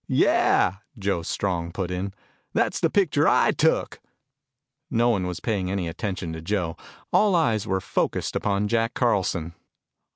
"Yeah," Joe Strong put in. "That's the picture I took." No one was paying any attention to Joe. All eyes were focused upon Jack Carlson.